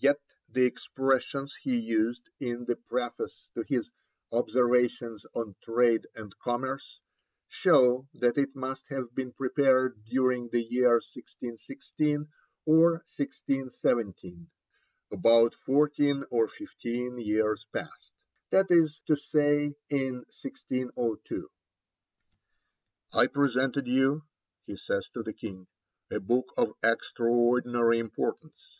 Yet the expressions he used in the preface to his Observations on Trade and Commerce show that it must have been prepared during the year 1616 or 1617: 'about fourteen or fifteen years past,' that is to say in 1602, 'I presented you,' he says to the King, 'a book of extraordinary importance.'